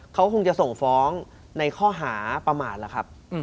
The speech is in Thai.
เขาคงจะส่งฟ้องในข้อหาประมาทล่ะครับ